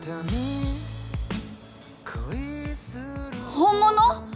本物？